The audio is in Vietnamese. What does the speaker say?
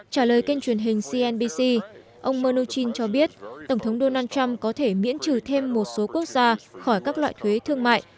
trả lời kênh truyền hình cnbc ông mnuchin cho biết tổng thống donald trump có thể miễn trừ thêm một số quốc gia khỏi các loại thuế thương mại